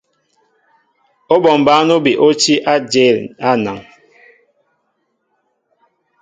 Óbɔŋ bǎn óbi ó tí á ajěl á anaŋ.